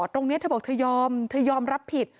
ตรงนี้เธอบอกเธอยอมรับผิด